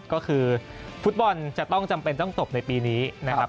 ก็คือฟุตบอลจะต้องจำเป็นต้องตบในปีนี้นะครับ